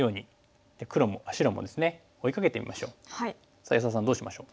さあ安田さんどうしましょう？